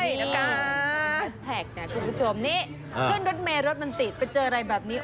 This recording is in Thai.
ใช่แล้วกันแฮชแท็กนะคุณผู้ชมนี่ขึ้นรถเมย์รถมันติดไปเจออะไรแบบนี้